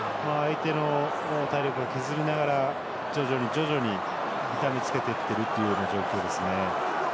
相手の体力を削りながら徐々に痛めつけてるっていう感じですね。